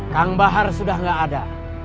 kang bahar sudah tidak ada